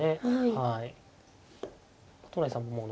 はい。